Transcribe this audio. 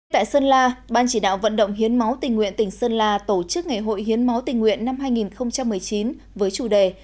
tại sơn la ban chỉ đạo vận động hiến máu tình nguyện tỉnh sơn la tổ chức ngày hội hiến máu tình nguyện năm hai nghìn một mươi chín với chủ đề